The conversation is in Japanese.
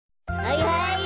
はいはい。